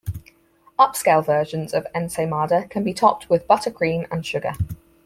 Upscale versions of ensaymada can be topped with butter cream and sugar.